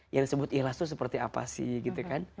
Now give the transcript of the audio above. yang disebut ikhlas itu seperti apa sih gitu kan